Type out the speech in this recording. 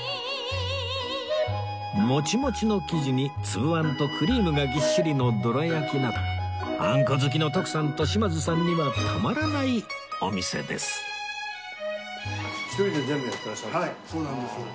モチモチの生地につぶあんとクリームがぎっしりのどら焼きなどあんこ好きの徳さんと島津さんにはたまらないお店ですはいそうなんですよ。